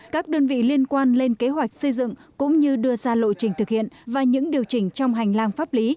các đơn vị liên quan lên kế hoạch xây dựng cũng như đưa ra lộ trình thực hiện và những điều chỉnh trong hành lang pháp lý